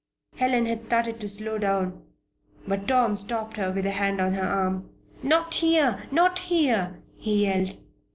Helen had started to slow down; but Tom stopped her with a hand on her arm. "Not here! Not here!" he yelled.